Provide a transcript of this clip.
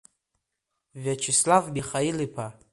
Виачеслав Михаил-иԥа!